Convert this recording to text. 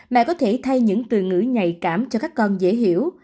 mẹ có thể thay những từ ngữ nhạy cảm cho các con dễ hiểu